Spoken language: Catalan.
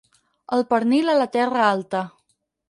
El pernil a la Terra Alta.